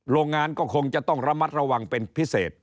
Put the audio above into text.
โรงงานก็คงจะต้องระมัดระวังเป็นพิเศษ